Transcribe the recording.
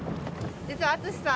実は淳さん。